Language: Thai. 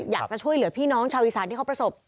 อยากจะช่วยเหลือพี่น้องชาวอีสานที่เขาประสบ